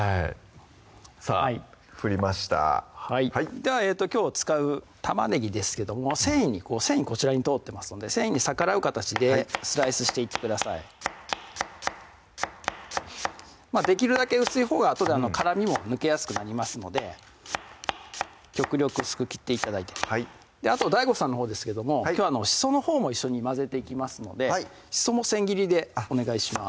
さぁ振りましたではきょう使う玉ねぎですけども繊維に繊維こちらに通ってますので繊維に逆らう形でスライスしていってくださいできるだけ薄いほうがあとで辛みも抜けやすくなりますので極力薄く切って頂いてあとＤＡＩＧＯさんのほうですけどもきょうはしそのほうも一緒に混ぜていきますのでしそも千切りでお願いします